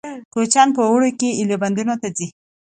کوچیان په اوړي کې ایلبندونو ته ځي